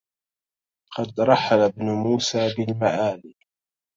لقد رحل ابن موسى بالمعالي